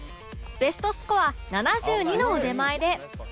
ベストスコア７２の腕前で